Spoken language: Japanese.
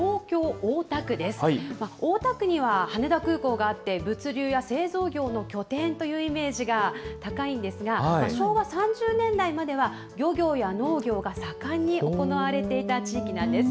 大田区には羽田空港があって、物流や製造業の拠点というイメージが高いんですが、昭和３０年代までは漁業や農業が盛んに行われていた地域なんです。